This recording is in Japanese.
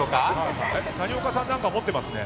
谷岡さん、何か持ってますね。